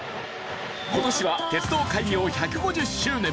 今年は鉄道開業１５０周年。